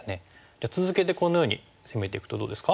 続けてこのように攻めていくとどうですか？